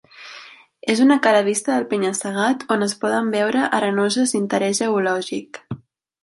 És una cara vista del penya-segat on es poden veure arenoses d'interès geològic.